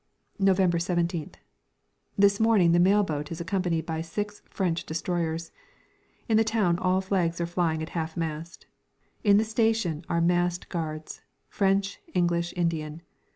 November 17th. This morning the mail boat is accompanied by six French destroyers. In the town all flags are flying half mast; in the station are massed guards, French, English, Indian.